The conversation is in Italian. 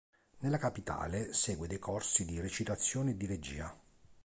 Nella capitale segue dei corsi di recitazione e di regia.